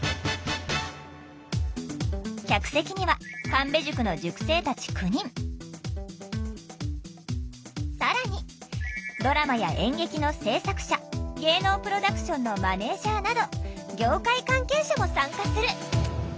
客席には神戸塾の塾生たち９人更にドラマや演劇の制作者芸能プロダクションのマネージャーなど業界関係者も参加する。